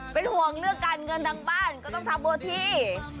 เป็นห่วงเรื่องการเงินทางบ้านก็ต้องทำโบที